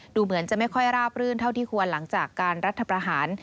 ดูเหมือนจะไม่ค่อยราบรื่นเท่าที่ควรหลังจากการรัฐประหาร